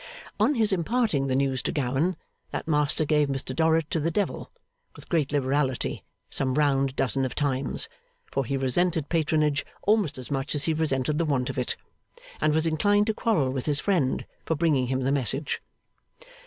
On his imparting the news to Gowan, that Master gave Mr Dorrit to the Devil with great liberality some round dozen of times (for he resented patronage almost as much as he resented the want of it), and was inclined to quarrel with his friend for bringing him the message.